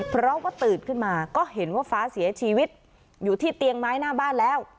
เพราะว่าตื่นขึ้นมาก็เห็นว่าฟ้าเสียชีวิตอยู่ที่เตียงไม้หน้าบ้านแล้ว